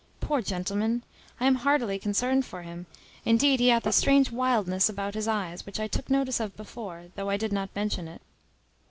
Poor gentleman! I am heartily concerned for him; indeed he hath a strange wildness about his eyes, which I took notice of before, though I did not mention it."